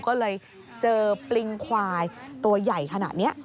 ก็เลยเจอปริงควายตัวใหญ่ขนาดนี้